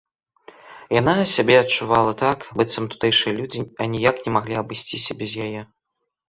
Яна сябе адчувала так, быццам тутэйшыя людзі аніяк не маглі абысціся без яе.